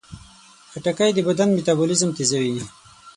خټکی د بدن میتابولیزم تیزوي.